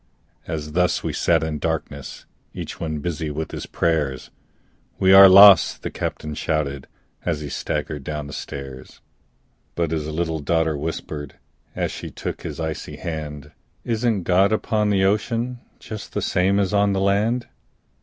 As thus we sat in darkness Each one busy with his prayers, "We are lost!" the captain shouted, As he staggered down the stairs. But his little daughter whispered, As she took his icy hand, "Isn't God upon the ocean, Just the same as on the land?"